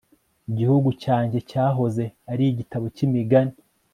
gihugu cyanjye cyahoze ari igitabo cy'imigani